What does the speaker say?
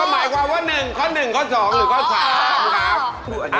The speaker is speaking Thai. หมายความว่า๑ข้อ๑ข้อ๒หรือข้อ๓